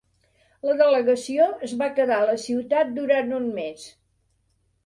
La delegació es va quedar a la ciutat durant un mes.